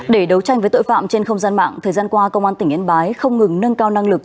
để đấu tranh với tội phạm trên không gian mạng thời gian qua công an tỉnh yên bái không ngừng nâng cao năng lực